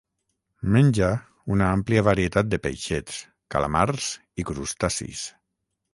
Menja una àmplia varietat de peixets, calamars i crustacis.